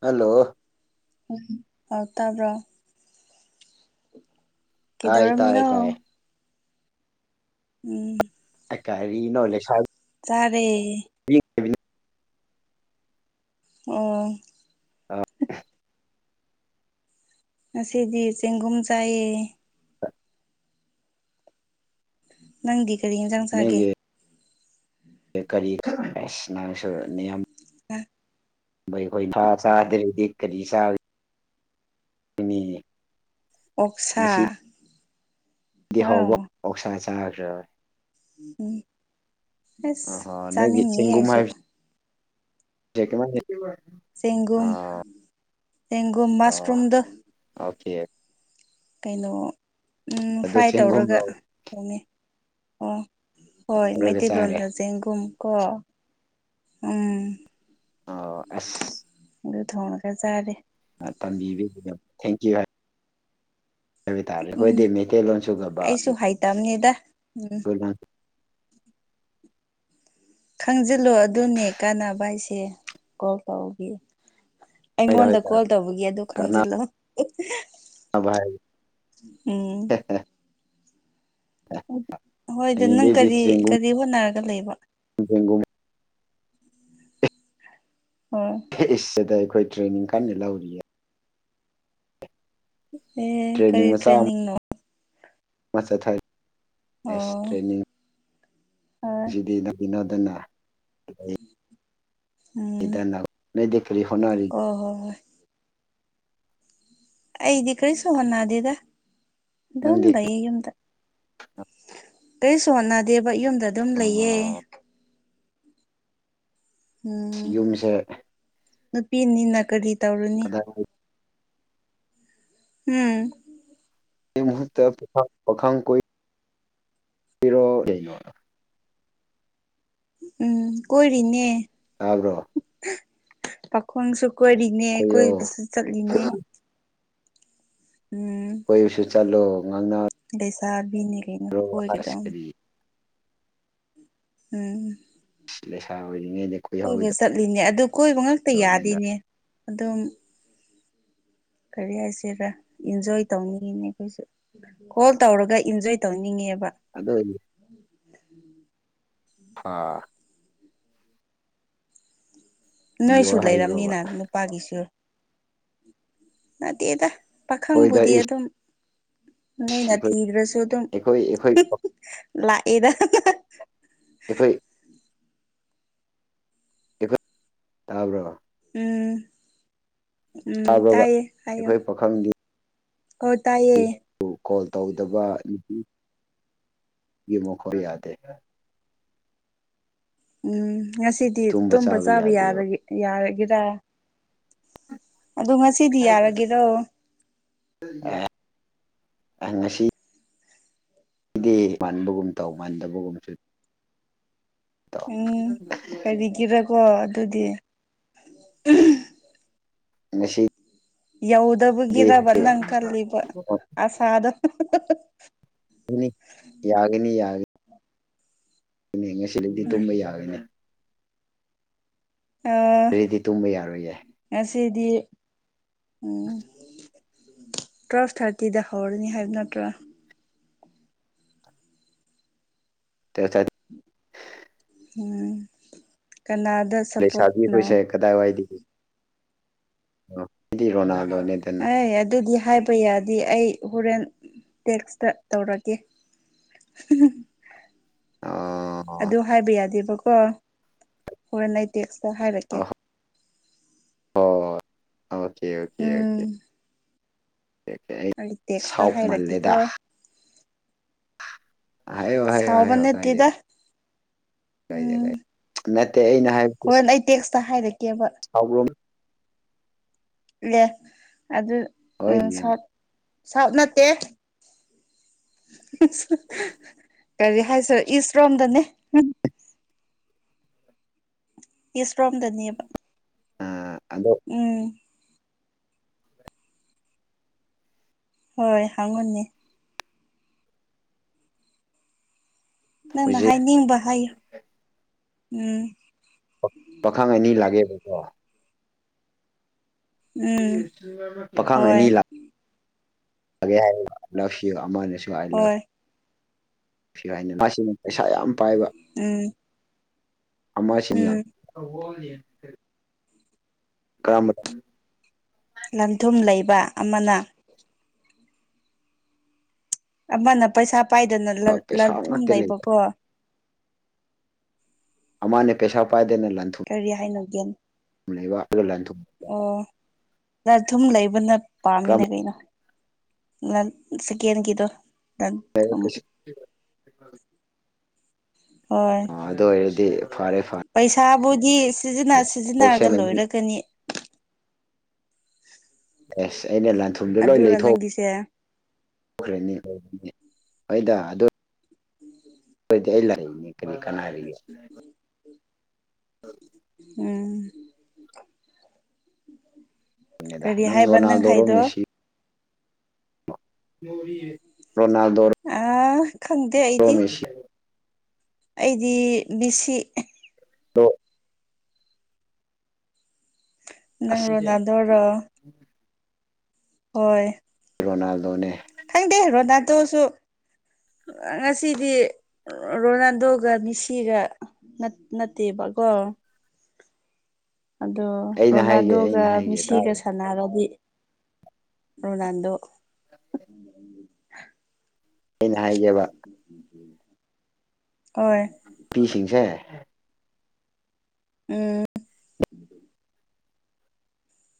Hello ꯎꯝ ꯍꯥꯎ ꯇꯥꯕ꯭ꯔꯣ ꯇꯥꯏ ꯀꯩꯗꯧꯔꯝꯃꯤꯅꯣ ꯇꯥꯏ ꯇꯥꯏ ꯎꯝ ꯑꯦ ꯀꯥꯔꯤ ꯅꯣ ꯂꯩꯁꯥꯕꯤ ꯆꯥꯔꯦ ꯑꯣ ꯑꯣ ꯉꯁꯤꯗꯤ ꯆꯦꯡꯒꯨꯝ ꯆꯥꯏꯌꯦ ꯅꯪꯗꯤ ꯀꯔꯤ ꯌꯦꯟꯁꯥꯡ ꯆꯥꯒꯦ ꯅꯣꯏꯒꯤ ꯀꯔꯤ ꯑꯁ ꯅꯪꯁꯨ ꯅꯤꯌꯝ [unintelligible] ꯑꯩꯈꯣꯏ ꯊꯥ ꯆꯥꯗ꯭ꯔꯗꯤ ꯀꯔꯤ ꯆꯥ ꯑꯣꯛꯁꯥ ꯗꯗꯤ ꯑꯥꯎ ꯍꯥꯎꯕ ꯄꯧꯁꯥ ꯆꯥꯈ꯭ꯔꯔꯣꯏ ꯎꯝ ꯑꯁ ꯑꯣꯍꯣ ꯅꯣꯏꯒꯤ ꯆꯥꯅꯤꯡꯉꯦ ꯆꯦꯡꯒꯨꯝ ꯑꯩꯁꯨ ꯍꯥꯏꯕꯁꯦ [unintelligible] ꯒꯨꯝꯒꯨꯝ ꯑꯣ ꯒꯨꯝꯒꯨꯝ ꯑꯣ ꯃꯁꯔꯨꯝꯗ ꯑꯣꯀꯦ ꯀꯩꯅꯣ ꯑꯗꯨ ꯐ꯭ꯔꯥꯏ ꯆꯦꯡꯒꯨꯝ ꯇꯧꯔꯒ ꯍꯣꯡꯉꯦ ꯑꯣ ꯍꯣꯏ ꯇꯧꯔꯒ ꯆꯥꯔꯦ ꯃꯩꯇꯩꯂꯣꯟꯗ ꯆꯦꯡꯒꯨꯝ ꯀꯣ ꯎꯝ ꯑꯣ ꯑꯁ ꯑꯗꯨ ꯊꯣꯡꯅꯒ ꯖꯔꯦ ꯇꯝꯕꯤꯗ ꯊꯦꯡꯀ꯭ꯌꯨ ꯍꯥꯏ ꯇꯥꯔꯦ ꯑꯩꯈꯣꯏꯗꯤ ꯃꯩꯇꯩꯂꯣꯟ ꯁꯨꯒꯕ ꯐꯥꯏ ꯇꯝꯅꯤꯗ ꯎꯝ [unintelligible] ꯈꯪꯖꯤꯜꯂꯣ ꯑꯗꯨꯅꯦ ꯀꯥꯟꯅꯕ ꯍꯥꯏꯁꯦ ꯀꯣꯜ ꯇꯧꯒꯦ ꯑꯩꯉꯣꯟꯗ ꯀꯣꯜ ꯇꯧꯕꯒꯤ ꯑꯗ ꯀꯥꯟꯅꯕ ꯈꯪꯖꯤꯜꯂꯣ ꯎꯝ [unintelligible] ꯍꯣꯏ ꯑꯗꯨ ꯅꯪ ꯍꯌꯦꯡꯗꯩꯗꯤ ꯀꯔꯤ ꯆꯦꯡꯒꯨꯝ ꯀꯔꯤ ꯍꯣꯠꯅꯔꯒ ꯂꯩꯕ [unintelligible] ꯍ ꯏꯁꯁꯤꯗ ꯑꯩꯈꯣꯏ ꯇ꯭ꯔꯦꯅꯤꯡ ꯀꯟꯅ ꯂꯧꯔꯤꯌꯦ ꯎꯝ ꯇ꯭ꯔꯦꯅꯤꯡ ꯃꯆꯥ ꯑꯃ ꯑꯃ ꯆꯠꯊꯔꯤ ꯑꯁ ꯑꯣ ꯇ꯭ꯔꯦꯅꯤꯡ ꯍꯣꯏ ꯅꯪꯒꯤꯅꯣꯗꯅ [unintelligible] ꯎꯝ ꯅ ꯗꯈꯔꯤ ꯍꯅ ꯑꯔꯤ ꯍ ꯍꯣꯏ ꯍꯣꯏ ꯑꯩꯗꯤ ꯀꯔꯤꯁꯨ ꯍꯣꯟꯅꯗꯦꯗ ꯑꯗꯨꯝ ꯅꯪꯗꯤ ꯀꯔꯤ ꯂꯩꯌꯦ ꯌꯨꯝꯗ ꯑꯩ ꯁꯣꯟꯅꯗꯦꯕ ꯌꯨꯝꯗ ꯑꯗꯨꯝ ꯂꯩꯌꯦ ꯎꯝ ꯌꯨꯝꯁꯦ ꯅꯨꯄꯤꯅꯤꯅ ꯀꯔꯤ ꯇꯧꯔꯨꯅꯤ [inaudible] ꯎꯝ ꯑꯩꯃꯨꯍꯨꯔ ꯄ ꯄꯈ ꯀꯣꯏ ꯄꯤꯔꯣ ꯎꯝ ꯀꯣꯏꯔꯤꯅꯦ ꯇꯥꯕ꯭ꯔꯣ ꯄꯥꯈꯣꯡꯁꯨ ꯀꯣꯏꯔꯤꯅꯦ ꯀꯣꯏꯌꯣ ꯀꯣꯏꯕꯁꯨ ꯆꯠꯂꯤꯅꯦ ꯎꯝ ꯀꯁꯨ ꯆꯜꯂꯣ ꯉꯅ ꯂꯩꯁꯥꯕꯤꯅꯤꯔꯅ ꯀꯣꯏꯔꯗꯝ ꯀꯔꯤ ꯎꯝ ꯂꯩꯦꯁꯥ ꯑꯣꯏꯔꯤꯉꯦ ꯀꯣꯏꯕ ꯆꯠꯂꯤꯅꯦ ꯑꯗꯨ ꯀꯣꯏꯕ ꯉꯇ ꯌꯥꯗꯦꯅꯦ ꯑꯗꯨꯝ ꯀꯔꯤ ꯍꯥꯏꯁꯤꯔ ꯏꯟꯖꯣꯏ ꯇꯧꯅꯤꯡꯉꯤꯅꯦ ꯑꯩꯈꯣꯏꯁꯨ ꯍꯣꯜ ꯇꯧꯔꯒ ꯏꯟꯖꯣꯏ ꯇꯧꯅꯤꯡꯉꯦꯕ ꯑꯗꯗꯤ ꯍꯥꯥ ꯄꯤꯌꯣ ꯅꯣꯏꯁꯨ ꯍꯥꯏꯕ꯭ꯔꯣꯕ ꯂꯩꯔꯝꯅꯤꯅ ꯅꯨꯄꯥꯒꯤꯁꯨ ꯅꯠꯇꯦꯗ ꯑꯩꯈꯣꯏꯗ ꯄꯥꯈꯪꯕꯨꯗꯤ ꯏꯁ ꯑꯗꯨꯝ ꯅꯣꯏꯅ ꯊꯤꯈ꯭ꯔꯁꯨ ꯑꯗꯨꯝ ꯑꯩꯈꯣꯏ ꯑꯩꯈꯣꯏ ꯑꯩꯈꯣꯏ ꯂꯥꯛ ꯑꯦꯗ ꯑꯈꯣꯏ ꯇꯥꯕ꯭ꯔ‌‌ꫭ ꯎꯝ ꯎꯝ ꯇꯥꯕ꯭ꯔꯣ ꯇꯥꯏꯌꯦ ꯍꯥꯏꯌꯣ ꯑꯩꯈꯣꯏ ꯄꯥꯈꯪꯗꯤ ꯍꫭ ꯇꯥꯏꯌꯦ ꯀꯣꯜ ꯇꯧꯗꯕ ꯅꯨꯄꯤ ꯒꯤ ꯃꯈꫭꯜ ꯌꯥꯗꯦ ꯎꯝ ꯉꯁꯤꯗꯤ ꯇꯨꯝꯕ ꯆꯥꯕ ꯌꯥꯕꯒꯤ ꯌꯥꯔꯒꯦꯔ ꯑꯗꯨ ꯉꯁꯤꯗꯤ ꯌꯥꯔꯒꯦꯔꯣ ꯑꯦꯍ [unintelligible] ꯉꯁꯤ ꯗꯤ ꯃꯥꯟꯕꯒꯨꯝ ꯇꯧ ꯃꯟꯗꯕꯒꯨꯝꯕꯁꯨ ꯇꯧ__ ꯎꯝ ꯀꯔꯤꯒꯤꯔꯥꯀꯣ ꯑꯗꯨꯗꯤ [unintelligible] ꯉꯁꯤ ꯌꯧꯗꯕꯒꯤꯔꯕ ꯅꯪ ꯈꯜꯂꯤꯕ ꯑꯁꯥꯗꯣ [unintelligible] [unintelligible] ꯅꯤ ꯌꯥꯒꯅꯤ ꯌꯥꯒ__ ꯒꯅꯤ ꯉꯁꯤꯗꯒꯤꯗꯤ ꯇꯨꯝꯕ ꯌꯥꯒꯅꯤ ꯑꯥ ꯑꯗꯩꯗꯤ ꯇꯨꯝꯕ ꯌꯥꯔꯣꯏꯌꯦ ꯉꯁꯤꯗꯤ ꯎꯝ ꯇ꯭ꯋꯦꯐ ꯊꯥꯔꯇꯤꯗ ꯍꯧꯔꯅꯤ ꯍꯥꯏꯕ ꯅꯠꯇ꯭ꯔꯣ [unintelligible] ꯎꯝ ꯀꯅꯥꯗ__ ꯂꯩꯁꯥꯕꯤ ꯍꯣꯏꯁꯦ ꯀꯗꯥꯏꯋꯥꯏꯗꯒꯤ [unintelligible] ꯑꯈꯣꯏꯗꯤ ꯔꯣꯅꯥꯜꯗꯣꯅꯦꯗ__ ꯑꯦ ꯑꯗꯨꯗꯤ ꯍꯥꯏ__ ꯄꯌꯥꯗꯦ ꯑꯩ ꯍꫭꯔ‌ꯦ‌ꯟ ꯇ‌ꯦꯛꯁꯇ ꯇꯧꯔꯛꯀ‌ꯦ ꯑꯣ ꯑꯗꯨ ꯍꯥꯏꯕ ꯌꯥꯗꯦꯕꯀꯣ ꯍꯣꯔꯦꯟ ꯑꯩ ꯇꯦꯛꯁꯇ ꯍꯥꯏꯔꯛꯀꯦ ꯍꯣꯏ ꯑꯣꯀꯦ ꯑꯣꯀꯦ ꯑꯣꯀꯦ ꯎꯝ [unintelligible] ꯑꯩ ꯇꯦꯛꯁꯇ ꯁꯥꯎꯕꯃꯥꯜ ꯂ‌ꯦꯗꯥ ꯍꯥꯏꯔꯛꯀꯦꯀꯣ ꯍꯥꯏꯌꯣ ꯍꯥꯏꯌꯣ ꯁꯥꯎꯕ ꯍꯥꯏꯌꯣ ꯀꯥꯏꯗꯦ ꯅꯠꯇ‌ꯦꯗꯥ ꯀꯥꯏꯗꯦ ꯀꯥꯏꯗꯦ [unintelligible] ꯅꯠꯇꯦ ꯑꯩꯅ ꯍꯥꯏꯕ__ ꯍꯣꯟ ꯑꯩ ꯇꯦꯛꯁꯇ ꯍꯥꯏꯔꯛꯀꯦꯕ ꯁꯥꯎꯕ꯭ꯔꫭ ꯅꯪ__ ꯑꯦꯍ ꯑꯗꯨ ꯎꯝ ꯍꯣꯏꯅꯦꯅꯦ ꯁꯥꯎ__ ꯁꯥꯎꯠ ꯅꯠꯇꯦ [unintelligible] ꯀꯔꯤ ꯍꯥꯏꯁꯤꯔꯥ ꯏꯁ ꯔꯣꯝꯗꯅꯦ ꯏꯁ ꯔꯣꯝꯗꯅꯦꯕ ꯑ ꯑꯗꯣ ꯎꯝ ꯍꯣꯏ ꯍꯪꯉꯨꯅ‌ꯦ ꯅꯪꯅ ꯍꯧꯖꯤꯛ ꯍꯥꯏ ꯅꯤꯡꯕ ꯍꯥꯏꯌꯣ ꯎꯝ ꯄꯥꯈꯪ ꯑꯅꯤ ꯂꯥꯛꯑꯦꯕꯀꯣ ꯎꯝ ꯄꯥꯈꯪ ꯑꯅꯤ ꯍꯣꯏ ꯂꯥꯛ ꯑꯦ ꯍꯥꯏꯔꯒ ꯂꯥꯎꯁꯤꯒ ꯑꯃꯅꯦ__ ꯑꯥꯏ ꯂꯐ ꯍꯣꯏ ꯐꯤꯔ ꯍꯥꯏꯅ ꯃꯥꯁꯤꯅ ꯄꯩꯁꯥ ꯌꯥꯝ ꯄꯥꯏꯕ ꯎꯝ ꯑꯃꯥꯁꯤꯅ__ ꯎꯝ [unintelligible] ꯀꯔꯝꯕꯅ__ ꯂꯟꯊꯨꯝ ꯂꯩꯕ ꯑꯃꯅ ꯑꯃꯅ ꯄꯩꯁꯥ ꯄꯥꯏꯗꯅ ꯂ ꯄꯩꯁꯥ ꯂꯟꯊꯨꯝ ꯉꯥꯛꯇ ꯂꯩꯕ ꯀꯣ ꯑꯃꯅ ꯄꯩꯁꯥ ꯄꯥꯏꯗꯅ ꯂꯟꯊꯨꯝ__ ꯀꯔꯤ ꯍꯥꯏꯅꯣ ꯒ꯭ꯌꯥꯟ ꯂꯩꯕ ꯑꯗꯨ ꯂꯟ ꯊꯨꯝ__ ꯑꯣ ꯂꯟꯊꯨꯝ ꯂꯩꯕꯅ ꯄꯥꯝꯃꯤꯅ ꯀꯔꯝꯕ ꯀꯩꯅꯣ ꯂꯟ ꯁꯤꯀꯦꯟ ꯒꯤꯗꫭ ꯂꯟ ꯊꯨꯝ ꯄꯩꯁꯥ ꯍꯣꯏ ꯑꯗꯨ ꯑꯣꯏꯔꯗꯤ ꯐꯔꯦ ꯐꯔꯦ ꯄꯩꯁꯥꯕꯨꯗꯤ ꯁꯤꯖꯤꯟꯅ ꯁꯤꯖꯤꯟꯅꯔꯒ ꯑꯣꯞꯁꯟ ꯑꯅꯤ ꯂꯣꯏꯔꯛꯀꯅꯤ ꯌꯥꯁ ꯑꯅꯦ ꯂ ꯑꯗꯨꯔ ꯅꯪꯒꯤꯁꯦ ꯈꯅꯤ ꯍꯣꯏꯗ ꯑꯗꯨ ꯑꯩꯈꯣꯏꯗꯤ ꯑꯩ ꯂꯥꯛꯏꯅꯦ ꯀꯔꯤ ꯀꯅꯥꯒꯦ ꯎꯝ ꯎꯝ ꯅꯦꯗ ꯀꯔꯤ ꯍꯥꯏꯕ ꯅꯪ ꯔꯣꯅꯥꯜꯗꯣꯔꯣ ꯍꯥꯏꯗꯣ꯫ ꯃꯦꯁꯤ ꯔꯣꯅꯥꯟꯗꫭꯔꫭ꯫ ꯑꯥ ꯈꯪꯗꯦ ꯑꯩꯏꯗꯤ꯫ ꯑꯩꯗꯤ ꯃ‌ꯦꯁꯤ꯫ ꯗꫭ꯫ ꯅꯪꯔꯣ ꯑꯁ ꯅꯗꯧꯔꯣ꯫ ꯍꯣꯏ꯫ ꯔꯣꯅꯥꯜꯗꯣꯅꯦ꯫ ꯈꯪꯗꯦ ꯔꯣꯅꯥꯟꯗꫭꯁꯨ ꯉꯁꯤꯗꯤ꯫ ꯔꯣꯅꯥꯜꯗꯣꯒ ꯃꯤꯁꯤꯒ ꯅꯠꯇꯦꯕꯀꯣ꯫ ꯑꯗꯣ ꯑꯩꯅ ꯍꯥꯏꯒꯦ ꯔꯣꯅꯥꯜꯗꯣꯒ ꯑꯩꯅ ꯍꯥꯏꯒꯦ ꯃꯤꯁꯤꯒ ꯇꯥꯎ ꯁꯥꯟꯅꯔꯗꯤ ꯔꯣꯅꯥꯜꯗꯣ꯫ ꯑ ꯑꯩꯅ ꯍꯥꯏꯒꯦꯕ ꯍꯣꯏ ꯅꯨꯄꯤꯁꯤꯡꯁꯦ ꯎꯝ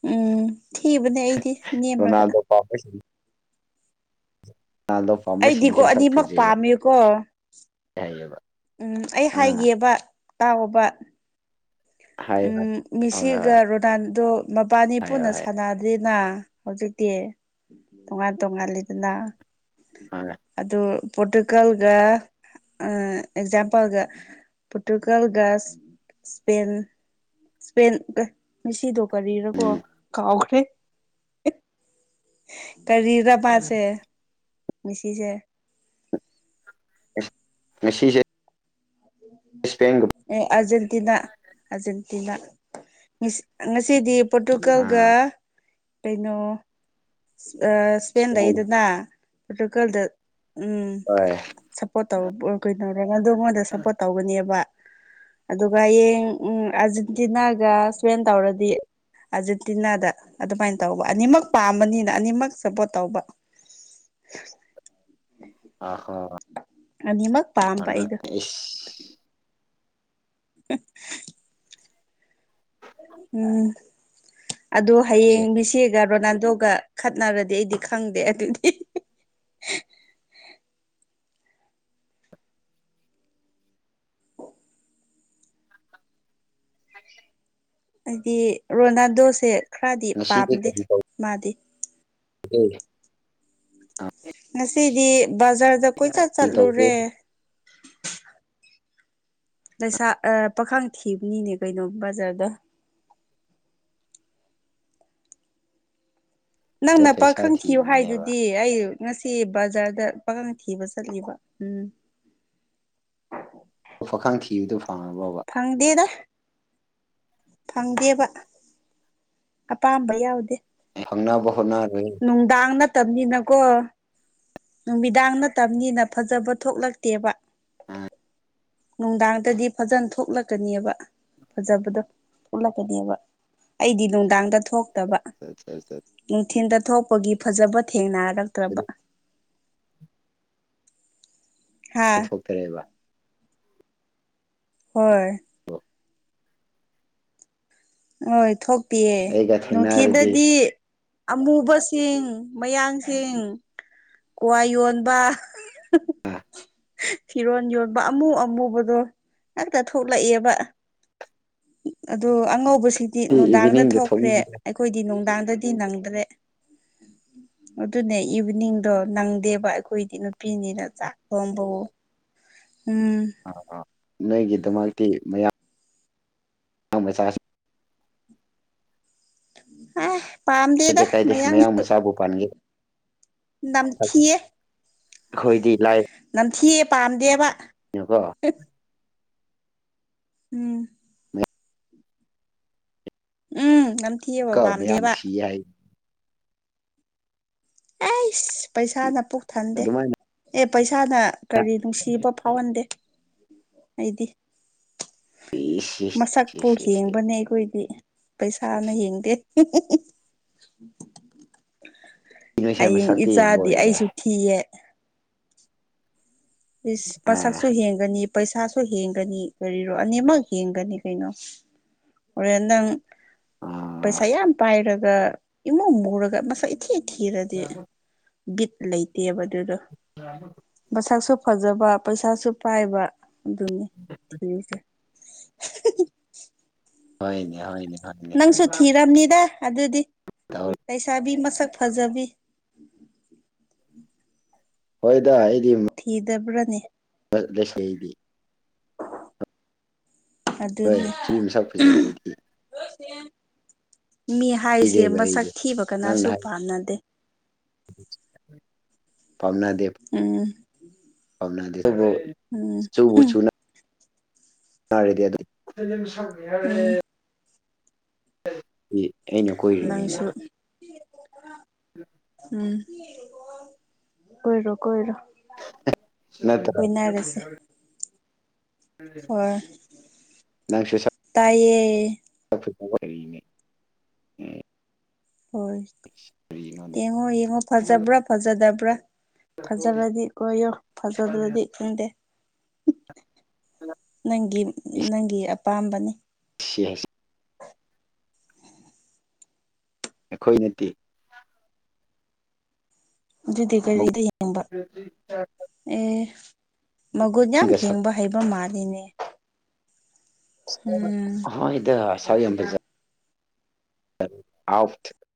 ꯎꯝ ꯊꯤꯕꯅꯦ ꯑꯩꯗꯤ ꯅꯦꯝꯃꯒ ꯍꯣꯏ ꯇꯥꯂꯞ ꯑꯩꯗꯤꯀꯣ ꯑꯅꯤꯃꯛ ꯄꯥꯝꯃꯦꯀꯣ ꯊꯕ ꯎꯝ ꯑꯩ ꯍꯥꯏꯒꯦꯕ ꯇꯥꯎꯕ ꯍꯥꯏ ꯍꯣꯏ ꯎꯝ ꯍꯣꯏ ꯃꯤꯁꯤꯒ ꯍꯣꯏ ꯔꯣꯅꯥꯜꯗꯣ ꯃꯕꯥꯅꯤ ꯍꯥꯏꯌꯣ ꯄꯨꯟꯅ ꯍꯥꯏꯌꯣ ꯁꯥꯟꯅꯗ ꯑꯗꯨꯅ ꯍꯧꯖꯤꯛꯇꯤ ꯇꯣꯉꯥꯟ ꯇꯣꯡꯉꯥꯜꯂꯤꯗꯅ ꯑꯥ ꯑꯗꯣ ꯄꯣꯣꯔꯇꯨꯒꯜꯒ ꯑ ꯑꯦꯛꯖꯥꯝꯄꯜꯒ ꯄꯣꯔꯇꯨꯒꯜꯒ ꯁꯄꯦꯟ ꯉꯁꯤꯗꯣ ꯀꯔꯤꯔꯒꯣ ꯎꯝ ꯀꯥꯎꯈ꯭ꯔꯦ ꯀꯔꯤꯗꯄꯥꯁꯦ ꯃꯤꯁꯤꯁꯦ ꯃꯁꯤꯁꯦ ꯑꯦ ꯑꯥꯔꯖꯦꯟꯇꯤꯅꯥ ꯑꯔꯖꯦꯟꯇꯤꯅꯥ ꯉꯁꯤꯗꯤ ꯄꯣꯔꯇꯨꯒꯥꯜꯒ ꯑꯥ ꯀꯩꯅꯣ ꯍꯁꯦꯟ ꯏꯁꯄꯦꯟ ꯏꯅ ꯐꯣꯇꯀꯜꯗ ꯎꯝ ꯍ ꯁꯞꯄꯣꯔꯠ ꯇ ꯀꯩꯅꯧꯔꯗ ꯑꯩꯉꯣꯟꯗ ꯁꯞꯄꯣꯔꯠ ꯇꯧꯒꯅꯦꯕ ꯑꯗꯨꯒ ꯍꯌꯦꯡ ꯎ ꯑꯥꯔꯖꯦꯟꯇꯤꯅꯥꯒ ꯁꯋꯦꯟ ꯇꯧꯔꯗꯤ ꯑꯥꯔꯖꯦꯟꯇꯤꯅꯥꯗ ꯑꯗꯨꯃꯥꯏꯅ ꯇꯧꯕ ꯑꯅꯤꯃꯛ ꯄꯥꯝꯕꯅꯤꯅ ꯑꯅꯤꯃꯛ ꯁꯞꯄꯣꯔꯠ ꯇꯧꯕ [inaudible] ꯑꯍꯣ ꯑꯅꯤꯃꯛ꯫ ꯄꯥꯝꯕ ꯑꯩꯗꯣ [unintelligible] [unintelligible] ꯎꯝ ꯑꯗꯣ ꯁꯦ ꯍꯌꯦꯡꯕꯤꯁꯦ ꯔꯣꯅꯥꯜꯗꯣꯒ ꯈꯠꯅꯔꯗꯤ ꯑꯩꯗꯤ ꯈꯪꯗꯦ ꯑꯗꯨꯗꯤ ꯍꯥꯏꯗꯤ ꯔꯣꯅꯥꯜꯗꯣꯁꯦ ꯈꯔꯗꯤ ꯉꯁꯤꯗꯤ ꯄꯥꯝꯗꯦ ꯃꯥꯗꯤ꯫ ꯍꯣꯏ ꯑꯥ ꯉꯁꯤꯗꯤ ꯕꯖꯥꯔꯗ ꯀꯣꯏꯆꯠ ꯀꯔꯤ ꯇꯧꯒꯦ ꯆꯠꯂꯨꯔꯦ ꯂꯩꯁꯥ ꯑꯥ ꯄꯥꯈꯥꯡ ꯊꯤꯕꯅꯤꯅꯦ ꯀꯩꯅꯣ ꯕꯖꯥꯔꯗ ꯅꯪꯅ ꯄꯩꯁꯥ ꯄꯥꯈꯪ ꯊꯤꯌꯨ ꯊꯤꯕꯅꯦꯕ ꯍꯥꯏꯗꯨꯗꯤ ꯑꯩ ꯉꯁꯤ ꯕꯖꯥꯔꯗ ꯄꯈꯪ ꯊꯤꯕ ꯆꯠꯂꯤꯕ ꯎꯝ ꯑꯣ ꯄꯈꯪ ꯊꯤꯕꯗꯨꯣ ꯐꯪꯉꯕ꯭ꯔꯣꯕ ꯐꯪꯗꯦꯗ ꯐꯪꯗꯦꯕ ꯑꯄꯥꯝꯕ ꯌꯥꯎꯗꯦ ꯐꯪꯅꯕ ꯍꯣꯠꯅꯗꯣꯢꯅꯤ ꯅꯨꯡꯗꯥꯡ ꯅꯠꯇꯕꯅꯤꯅꯀꯣ ꯅꯨꯃꯤꯗꯥꯡ ꯅꯠꯇꯕꯅꯤꯅ ꯐꯖꯕ ꯊꯣꯛꯂꯛꯇꯦꯕ ꯑꯥ ꯅꯨꯡꯗꯥꯡꯗꯗꯤ ꯐꯖꯅ ꯊꯣꯛꯂꯛꯀꯅꯦꯕ ꯐꯖꯕꯗꯣ ꯊꯣꯛꯂꯛꯀꯅꯦꯕ ꯑꯩꯗꯤ ꯅꯨꯡꯗꯥꯡꯗ ꯊꯣꯛꯇꯕ [unintelligible] ꯅꯨꯡꯊꯤꯟꯗ ꯊꯣꯛꯄꯒꯤ ꯐꯖꯕ ꯊꯦꯡꯅꯔꯛꯇ꯭ꯔꯕ ꯍꯥꯥ ꯀꯩꯕ ꯍꯣꯏ ꯑꯣ ꯍꯣꯏ ꯊꯣꯛꯇꯤꯌꯦ ꯑꯩꯒ ꯊꯦꯡꯅꯔꯗꯤ ꯅꯨꯡꯊꯤꯟꯗꯗꯤ ꯑꯃꯨꯕꯁꯤꯡ ꯃꯌꯥꯡꯁꯤꯡ ꯀ꯭ꯋꯥ ꯌꯣꯟꯕ [unintelligible] ꯐꯤꯔꯣꯟ ꯌꯣꯟꯕ ꯑꯃꯨ ꯑꯃꯨꯕꯗꯣ ꯉꯥꯛꯇ ꯊꯣꯛꯂꯛꯑꯦꯕ ꯑꯗꯨ ꯑꯉꯧꯕꯁꯤꯡꯗꯤ ꯑꯩ ꯅꯨꯡꯗꯥꯡꯗ ꯏꯚꯤꯅꯤꯡꯗ ꯊꯣꯛꯇꯦ ꯊꯣꯛꯅꯤꯡꯉꯦ ꯈꯣꯏꯗꯤ ꯅꯨꯡꯗꯥꯡꯗꯗꯤ ꯅꯪꯗ꯭ꯔꯦ ꯑꯗꯨꯅꯦ ꯏꯚꯤꯅꯤꯡꯗꯣ ꯅꯪꯗꯦꯕ ꯑꯩꯈꯣꯏꯗꯤ ꯅꯨꯄꯤꯅꯤꯅ ꯆꯥꯛ ꯊꯣꯝꯕꯥꯑꯣ ꯎꯝ ꯑꯥ ꯑꯥ ꯅꯣꯏꯒꯤꯗꯃꯛꯇꯤ ꯃꯌꯥꯡ ꯃꯆꯥ ꯑ ꯄꯥꯝꯗꯦꯗ ꯀꯥꯏꯗꯦ ꯀꯥꯏꯗꯦ ꯃꯌꯥꯡ ꯃꯌꯥꯡꯁꯨ ꯃꯆꯥꯕꯨ ꯄꯥꯟꯒꯦ ꯅꯝꯊꯤꯌꯦ ꯑꯩꯈꯣꯏꯗꯤ ꯅꯝꯊꯤꯌꯦ ꯄꯥꯝꯗꯦꯕ ꯌꯦꯀꯣ ꯎꯝ ꯎꯝ ꯅꯝꯊꯤꯑꯕ ꯄꯥꯝꯗꯦꯕ ꯌꯥꯏ ꯑꯩꯁ ꯄꯩꯁꯥꯅ ꯄꯨꯛ ꯊꯟꯗꯦ ꯑꯗꯨꯃꯥꯏꯅ ꯑꯦ ꯄꯩꯁꯥꯅ ꯀꯔꯤ ꯅꯨꯡꯁꯤꯕ ꯐꯥꯎꯍꯟꯗꯦ ꯑꯩꯗꯤ ꯃꯁꯛꯄꯨ ꯍꯦꯡꯕꯅꯦ ꯑꯩꯈꯣꯏꯗꯤ ꯄꯩꯁꯥꯅ ꯌꯦꯡꯗꯦ ꯎ ꯎ ꯎ ꯅꯣꯏꯁꯦ ꯍꯌꯦꯡ ꯃꯁꯛꯇꯤ ꯌꯦꯡꯕ ꯏꯆꯥꯗꯤ ꯑꯣꯏꯔꯦ ꯑꯩꯁꯨ ꯊꯤꯌꯦ ꯏꯁ ꯑꯥ ꯃꯁꯛꯁꯨ ꯍꯦꯡꯒꯅꯤ ꯄꯩꯁꯥꯁꯨ ꯍꯦꯡꯒꯅꯤ ꯀꯔꯤꯔꯣ ꯑꯅꯤꯃꯛ ꯍꯦꯡꯒꯅꯤ ꯀꯩꯅꯣ ꯍꯣꯔꯦꯟ ꯅꯪ ꯑꯥ ꯄꯩꯁꯥ ꯌꯥꯝ ꯄꯥꯏꯔꯒ ꯏꯃꯨ ꯃꯨꯔꯒ ꯃꯁꯛ ꯊꯤ ꯊꯤꯔꯗꯤ ꯕꯤꯠ ꯂꯩꯇꯦꯕ ꯑꯗꯨꯗꯣ [unintelligible] ꯃꯁꯛꯁꯨ ꯐꯖꯕ ꯄꯩꯁꯥꯁꯨ ꯄꯥꯏꯕ ꯑꯗꯨꯅꯤ ꯊꯤꯔꯤꯁꯦ ꯍꯣꯏꯅꯦ ꯍꯣꯏꯅꯦ꯫ ꯍꯣꯏꯅꯦ ꯅꯪꯁꯨ ꯊꯤꯔꯝꯅꯤꯗ ꯑꯗꯨꯗꯤ꯫ ꯇ ꯂꯩꯁꯥꯕꯤ ꯃꯁꯛ ꯐꯖꯕꯤ ꯍꯣꯏꯗ ꯑꯩꯗꯤ ꯊꯤ ꯗꯕ꯭ꯔꯅꯤ ꯔꯁꯗꯤ ꯍꯣꯏ ꯑꯗꯨꯅꯦ ꯆꯨꯔꯤ ꯃꯁꯛ ꯐꯖꯗ꯭ꯔꯗꯤ ꯃꯤ ꯍꯥꯏꯁꯦ ꯄꯤꯗꯦꯕ ꯃꯁꯛ ꯊꯤꯕ ꯀꯅꯥꯁꯨ ꯄꯥꯝꯅꯗꯦ ꯄꯥꯝꯅꯥꯗꯦ꯫ ꯎꯝ [unintelligible] ꯎꯝ꯫ ꯌꯥꯔꯦꯗꯤ ꯑꯗꯨ꯫ ꯎꯝ ꯑꯩꯅ꯫ ꯀꯣꯏꯔꯤꯅꯤꯅ ꯅꯪꯁꯨ ꯎꯝ꯫ ꯀꯣꯢꯔꯣ ꯀꯣꯏꯔꯣ꯫ ꯅꯠꯇ꯭ꯔ꯫ ꯀꯣꯏꯅꯔꯁꯦ ꯍꯣꯏ ꯇꯥꯏꯌꯦ꯫ ꯀꯊ ꯑꯣꯏꯔꯔꯤꯅꯦ ꯍꯣꯏ ꯀꯔꯤꯅꯣꯅꯦ ꯌꯦꯡꯉꯣ ꯌꯦꯡꯉꯣ ꯐꯖꯕ꯭ꯔꯥ ꯐꯖꯗꯕ꯭ꯔꯥ ꯐꯖꯔꯗꯤ ꯀꯣꯣ ꯐꯖꯗ꯭ꯔꯗꯤ ꯈꯪꯗꯦ ꯅꯪꯒꯤ ꯅꯪꯒꯤ ꯑꯄꯥꯝꯕꯅꯤ ꯁ ꯑꯩꯈꯣꯏ ꯅꯠꯇꯦ ꯑꯗꯨꯗꯤ ꯀꯔꯤꯗ ꯌꯦꯡꯕ ꯑꯗꯨ ꯑꯦ ꯃꯒꯨꯟ ꯌꯥꯝ ꯃꯒꯨꯟꯒ ꯁꯛ ꯍꯦꯡꯕ ꯍꯩꯕ ꯃꯥꯜꯂꯤꯅꯦ ꯎꯝ ꯍ ꯏ ꯁꯕꯤ ꯑꯝꯕꯖꯔ ꯑꯐꯊ